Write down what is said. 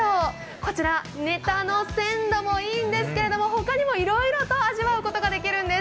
こちらネタの鮮度もいいんですけれども他にもいろいろと味わうことができるんです。